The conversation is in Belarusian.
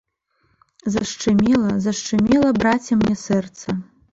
Зашчымела, зашчымела, браце, мне сэрца!